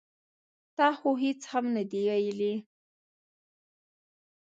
ـ تا خو هېڅ هم نه دي ویلي.